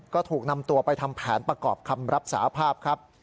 ก็ถูกนำตัวไปทำแผนประกอบคำรับสาภาพครับ